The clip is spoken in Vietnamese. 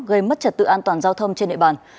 gây mất trật tự an toàn giao thông trên địa bàn